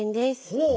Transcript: ほう。